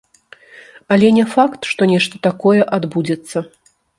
Але не факт, што нешта такое адбудзецца.